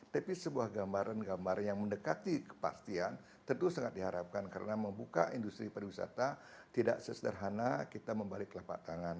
tapi sebuah gambaran gambar yang mendekati kepastian tentu sangat diharapkan karena membuka industri pariwisata tidak sesederhana kita membalik telapak tangan